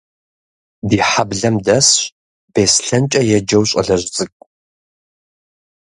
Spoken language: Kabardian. Ди хьэблэм дэсщ Беслъэнкӏэ еджэу щӀалэжь цӀыкӀу.